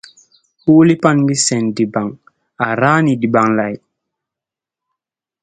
Huuli pan ɓɛ cèn debaŋ, à ràa ne debaŋ lay.